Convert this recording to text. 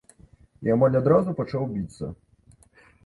І амаль адразу пачаў біцца.